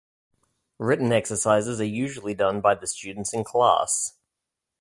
Written exercises are usually done by the students in class.